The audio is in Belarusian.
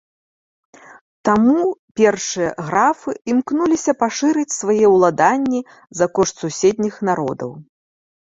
Таму першыя графы імкнуліся пашырыць свае ўладанні за кошт суседніх народаў.